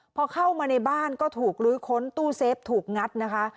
พอเข้ามาในบ้านก็ถูกลื้อค้นตู้เซฟถูกงัดนะคะ